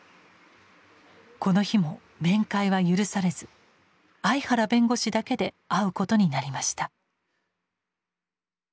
この日も面会は許されず相原弁護士だけで会うことになりました。